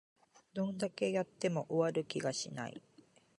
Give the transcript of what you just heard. どんだけやっても終わる気がしない